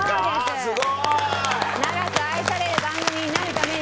すごい！長く愛される番組になるために。